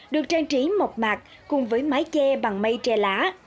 được trang trí mộc mạc cùng với mái che bằng mây tre lá